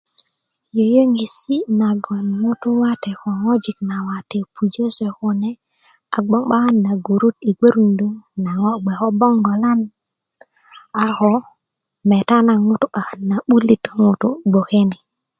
yöyöŋesi' nagon ŋutu' wate ko ŋojik na wate pujö se kune a gboŋ 'bakan na gurut nagon ŋutu gböruni ŋo gboso ko bogolan ako meta naŋ ŋutu' 'bakan na 'bulit ko ŋutu' gboke ni